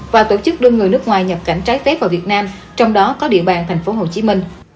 và tổ chức đưa người nước ngoài nhập cảnh trái phép vào việt nam trong đó có địa bàn tp hcm